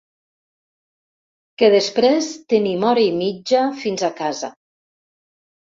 Que després tenim hora i mitja fins a casa.